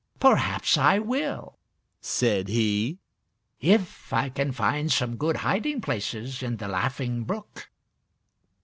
"Perhaps I will," said he, "if I can find some good hiding places in the Laughing Brook."